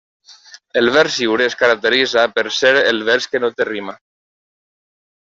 El vers lliure es caracteritza per ser el vers que no té rima.